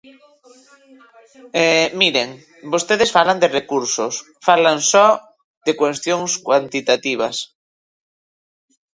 E, miren, vostedes falan de recursos, falan só de cuestións cuantitativas.